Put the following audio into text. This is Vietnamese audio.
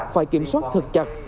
phải kiểm soát thật chặt